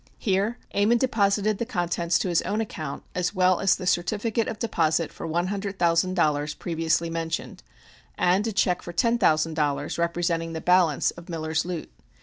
Here Ammon deposited the contents to his own account, as well as the certificate of deposit for one hundred thousand dollars previously mentioned, and a check for ten thousand dollars, representing the balance of Miller's loot.